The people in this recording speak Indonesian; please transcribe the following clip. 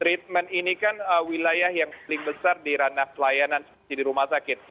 treatment ini kan wilayah yang paling besar di ranah pelayanan di rumah sakit